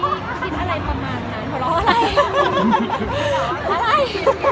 ไม่